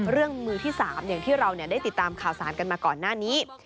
เรื่องมือที่สามที่เราได้ติดตามข่าวสารกันมาก่อนหน้านี้